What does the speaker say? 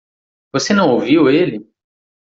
Você não ouviu ele?